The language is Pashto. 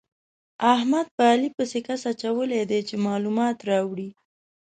احمد په علي پسې کس اچولی دی چې مالومات راوړي.